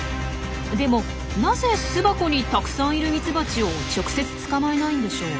でもなぜ巣箱にたくさんいるミツバチを直接捕まえないんでしょう？